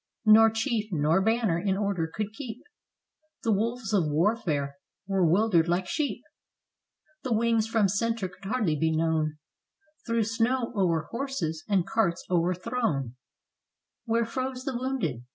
Nor chief, nor banner in order could keep, The wolves of warfare were 'wildered like sheep. The wings from center could hardly be known Through snow o'er horses and carts o'erthrown, Where froze the wounded.